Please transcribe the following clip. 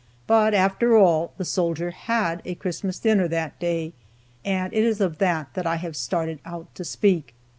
But, after all, the soldier had a Christmas dinner that day, and it is of that I have started out to speak.